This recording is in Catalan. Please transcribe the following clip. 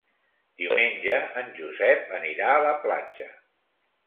Diumenge en Josep anirà a la platja.